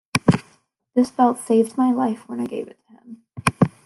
This belt saved my life when I gave it to him.